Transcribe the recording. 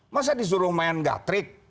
masa disuruh main gatrik